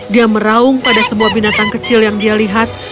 dia meraung pada sebuah binatang kecil yang dia lihat